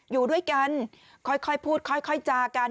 อยู่ด้วยกันค่อยพูดค่อยจากัน